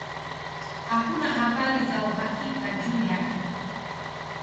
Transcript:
Hakuna habari za uhakika juu yake.